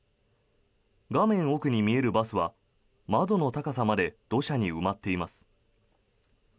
画面奥に見えるバスは窓の高さまで土砂に埋まっています。